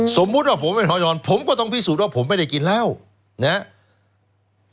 สมมุติว่าผมเป็นหอยอนผมก็ต้องพิสูจน์ว่าผมไม่ได้กินเหล้านะฮะ